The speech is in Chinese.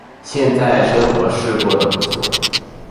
现在生活是过得不错